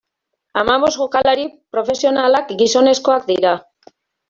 Hamabost jokalari profesionalak gizonezkoak dira.